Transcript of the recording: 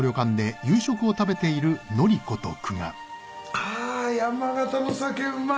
ああ山形の酒はうまい！